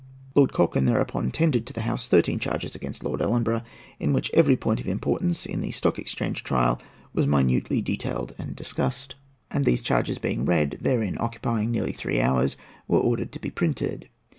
'" Lord Cochrane thereupon tendered to the House thirteen charges against Lord Ellenborough, in which every point of importance in the Stock Exchange trial was minutely detailed and discussed; and these charges being read, therein occupying nearly three hours, were ordered to be printed.